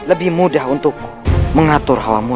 aku harus sedikit mengelur waktu